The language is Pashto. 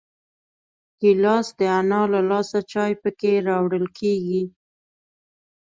ګیلاس د انا له لاسه چای پکې راوړل کېږي.